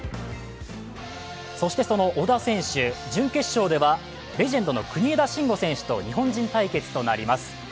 そしてその小田選手、準決勝ではレジェンド・国枝選手と日本人対決となります。